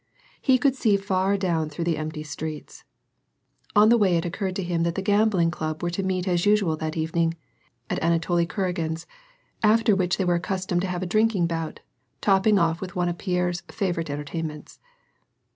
He could see far down through the empty streets. On the way it occurred to him that the gambling club were to meet as usual that evening at Anatoli Kuragin's, after which they were accustomed to have a drinking bout, topping off with one of Pierre's favorite entertainments.